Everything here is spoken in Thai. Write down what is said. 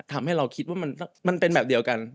ทำให้เราคิดว่ามันเป็นแบบเดียวกัน